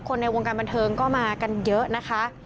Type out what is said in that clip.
ในวงการบันเทิงก็มากันเยอะนะคะ